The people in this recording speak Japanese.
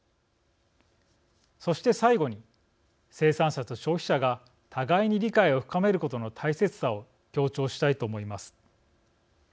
そして、最後に生産者と消費者が互いに理解を深めることの大切さを強調したいと思います。